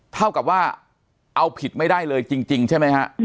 เท่ากับว่าเอาผิดไม่ได้เลยจริงใช่ไหมฮะ